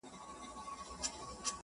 د کشپ غوندي به مځکي ته رالویږي -